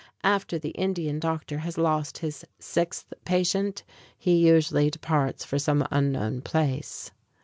After the Indian doctor has lost his sixth patient, he usually departs for some unknown place.